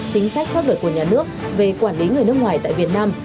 chính sách pháp luật của nhà nước về quản lý người nước ngoài tại việt nam